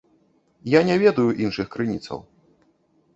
Я не ведаю іншых крыніцаў.